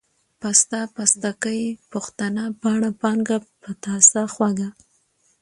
پسته ، پستکۍ ، پښتنه ، پاڼه ، پانگه ، پتاسه، خوږه،